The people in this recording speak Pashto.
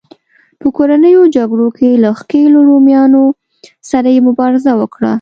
په کورنیو جګړو کې له ښکېلو رومیانو سره یې مبارزه وکړه